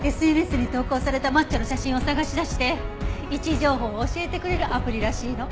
ＳＮＳに投稿されたマッチョの写真を探し出して位置情報を教えてくれるアプリらしいの。